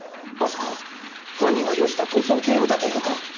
まさか犯人が用意した逃走経路だというのか？